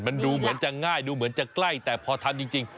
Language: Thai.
มันดูเหมือนจะง่ายดูเหมือนจะใกล้แต่พอทำจริง